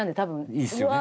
いいっすよね。